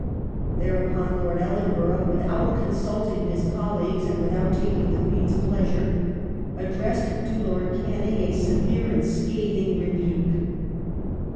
Thereupon Lord Ellen borough, without consulting his colleagues, and without taking the Queen's pleasure, addressed to Lord Canning a severe and scathing rebuke.